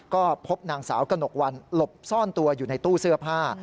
ก็พบนางสาวกระหนกวันหลบซ่อนตัวอยู่ในตู้เสื้อผ้า